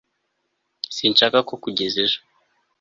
Sinshaka ko kugeza ejo